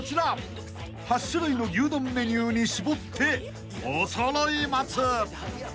［８種類の牛丼メニューに絞っておそろい松］